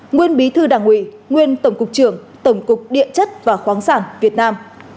nguyên bí thư đảng ủy nguyên tổng cục trưởng tổng cục địa chất và khoáng sản việt nam